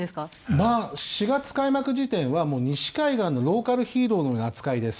まあ４月開幕時点はもう西海岸のローカルヒーローのような扱いです。